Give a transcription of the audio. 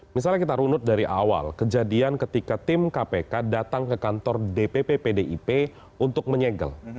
misalnya kita runut dari awal kejadian ketika tim kpk datang ke kantor dpp pdip untuk menyegel